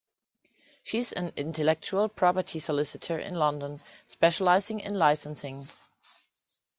She is an intellectual property solicitor in London, specialising in licensing.